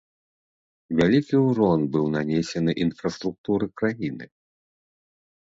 Вялікі ўрон быў нанесены інфраструктуры краіны.